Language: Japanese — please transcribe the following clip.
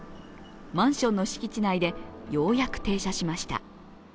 マンションの敷地内でようやく停車しました。